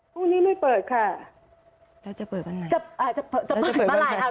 พรุ่งนี้ไม่เปิดค่ะแล้วจะเปิดบ้านไหนเอ่อจะเปิดจะเปิดเมื่อไหร่ค่ะ